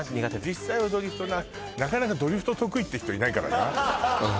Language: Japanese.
実際はドリフトなかなかドリフト得意って人いないからね